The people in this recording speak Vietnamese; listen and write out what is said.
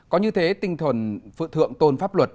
có như thế tinh thuần phượng tôn pháp luật